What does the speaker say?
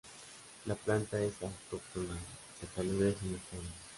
La planta es autóctona de taludes inestables.